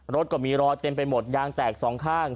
รถก็มีรอยเต็มไปหมดยางแตกสองข้าง